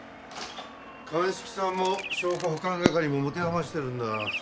鑑識さんも証拠保管係も持て余してるんだ。